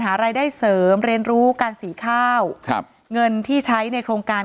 หารายได้เสริมเรียนรู้การสีข้าวครับเงินที่ใช้ในโครงการ